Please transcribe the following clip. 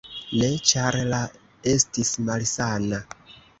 Ne, ĉar la estis malsana.